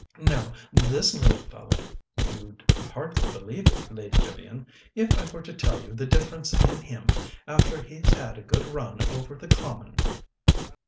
Now, this little fellah you'd hardly believe it, Lady Vivian, if I were to tell you the difference in him after he's had a good run over the Common."